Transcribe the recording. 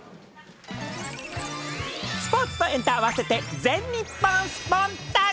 スポーツとエンタ合わせて全日本スポンタっ！